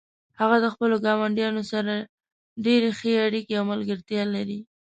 هغه د خپلو ګاونډیانو سره ډیرې ښې اړیکې او ملګرتیا لري